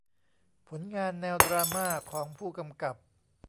ผลงานแนวดราม่าของผู้กำกับ